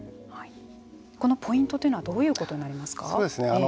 このポイントというのはどういうことになりますか。